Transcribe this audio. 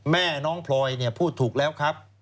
แม่น้องพลอยพูดถูกแล้วครับ